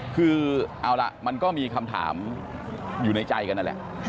คือเอาล่ะมันก็มีคำถามอยู่ในใจกันนั่นแหละ